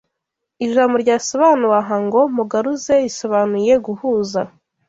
Ijambo ryasobanuwe aha ngo mugaruze risobanuye guhuza